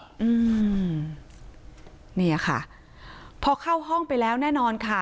อืมเนี่ยค่ะพอเข้าห้องไปแล้วแน่นอนค่ะ